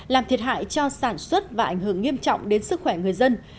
làm thiệt hại cho sản xuất và ảnh hưởng nghiêm trọng đến sức khỏe người dân